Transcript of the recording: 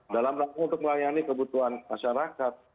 dalam rangka untuk melayani kebutuhan masyarakat